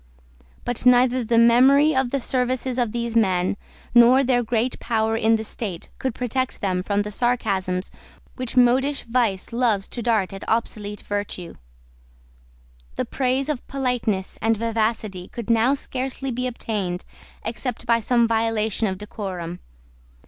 But neither the memory of the services of these men, nor their great power in the state, could protect them from the sarcasms which modish vice loves to dart at obsolete virtue. The praise of politeness and vivacity could now scarcely be obtained except by some violation of decorum.